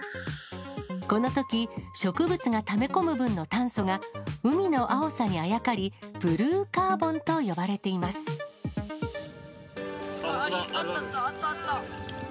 このとき、植物がため込む分の炭素が、海の青さにあやかり、ブルーカーあった、あった。